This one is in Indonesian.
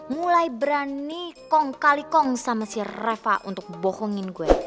mulai berani kong kali kong sama si reva untuk membuatnya